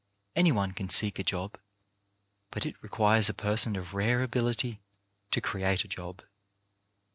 Any one can seek a job, but it requires a person of rare ability to create a job.